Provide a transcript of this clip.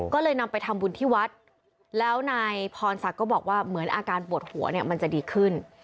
ก็เลยนำไปทำบุญที่วัดแล้วนายพรศักดิ์ก็บอกว่าเหมือนอาการปวดหัวเนี่ยมันจะดีขึ้น